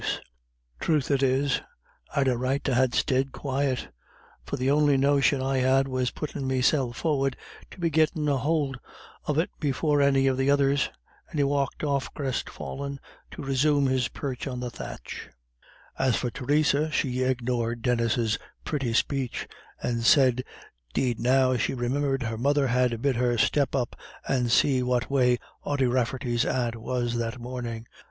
He said: "Truth it is, I'd a right to ha' sted quiet. For the on'y notion I had was puttin' meself for'ard to be gettin' a hould of it before any of the others." And he walked off crestfallen to resume his perch on the thatch. As for Theresa, she ignored Denis's pretty speech, and said 'deed now she remembered her mother had bid her step up and see what way Ody Rafferty's aunt was that morning.